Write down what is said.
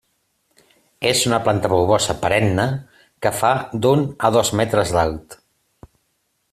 És una planta bulbosa perenne que fa d'un a dos metres d'alt.